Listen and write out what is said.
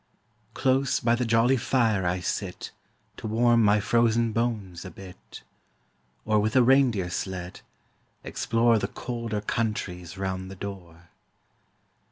Close by the jolly fire I sit To warm my frozen bones a bit; Or with a reindeer sled, explore The colder countries round the door.